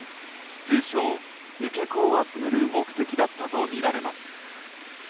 通称・受け子を集める目的だったとみられます。